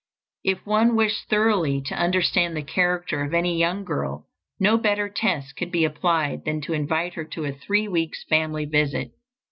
If one wished thoroughly to understand the character of any young girl, no better test could be applied than to invite her to a three weeks' family visit.